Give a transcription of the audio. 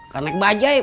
kan naik baju aja